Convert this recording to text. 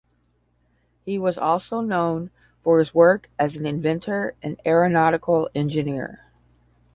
He was also known for his work as an inventor and aeronautical engineer.